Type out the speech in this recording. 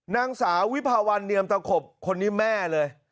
นางสาววิภาวันเนียมตะขบคนนี้แม่เลย